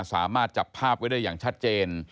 สามารถจับภาพไว้ได้อย่างชัดเจน